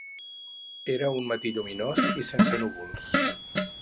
Era un matí lluminós i sense núvols.